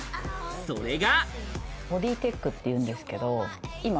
それが。